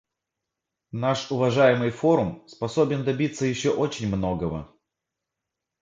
Наш уважаемый форум способен добиться еще очень многого.